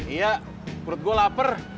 iya perut gue lapar